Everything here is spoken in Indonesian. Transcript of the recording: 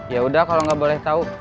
yaudah kalau gak boleh tau